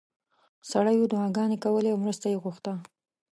سړیو دعاګانې کولې او مرسته یې غوښته.